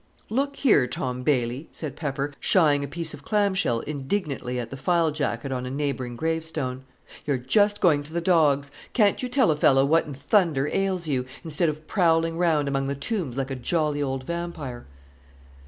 "Look here, Tom Bailey!" said Pepper, shying a piece of clam shell indignantly at the file jacet on a neighboring gravestone. "You are just going to the dogs! Can't you tell a fellow what in thunder ails you, instead of prowling round among the tombs like a jolly old vampire?"